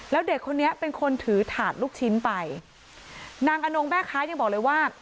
แล้วเด็กคนนี้เป็นคนถือถาดลูกชิ้นไปนางอนงแม่ค้ายังบอกเลยว่า